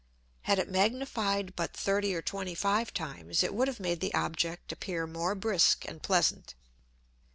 Had it magnified but 30 or 25 times, it would have made the Object appear more brisk and pleasant.